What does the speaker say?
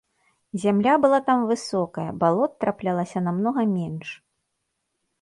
Зямля была там высокая, балот траплялася намнога менш.